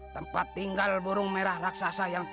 tempat tinggal burung merah raksasa yang